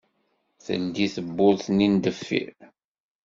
Teldi tewwurt-nni n deffir.